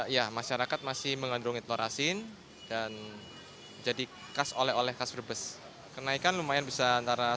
ya masyarakat masih mengandungi telur asin dan jadi khas oleh oleh khas brebes kenaikan lumayan bisa antara